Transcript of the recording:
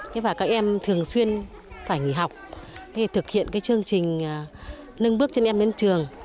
các em thường xuyên phải nghỉ học để thực hiện chương trình nâng bước trên em đến trường